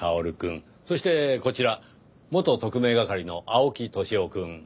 そしてこちら元特命係の青木年男くん。